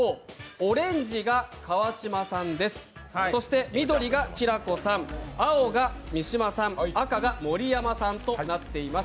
オレンジが川島さんです、そして緑がきらこさん、青が三島さん、赤が盛山さんとなっています。